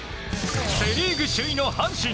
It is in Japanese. セ・リーグ首位の阪神。